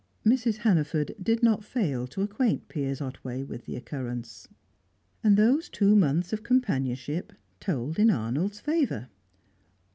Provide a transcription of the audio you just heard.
Mrs. Hannaford did not fail to acquaint Piers Otway with the occurrence. And those two months of companionship told in Arnold's favour.